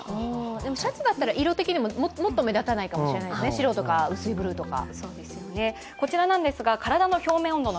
シャツだったら、色的にももっと目立たないかもしれないですね、白とか薄いブルーとか。